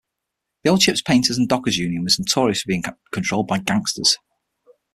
The old Ships Painters and Dockers Union was notorious for being controlled by gangsters.